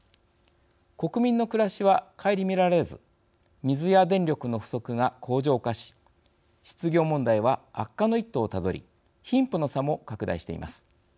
国民の暮らしは顧みられず水や電力の不足が恒常化し失業問題は悪化の一途をたどり貧富の差も拡大しています。